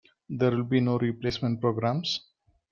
There will be no replacement programs.